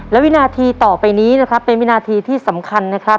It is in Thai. และวินาทีต่อไปนี้นะครับเป็นวินาทีที่สำคัญนะครับ